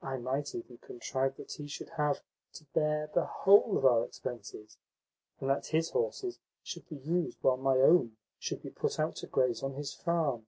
I might even contrive that he should have to bear the whole of our expenses, and that his horses should be used while my own should be put out to graze on his farm."